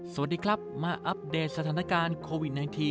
สวัสดีครับมาอัปเดตสถานการณ์โควิด๑๙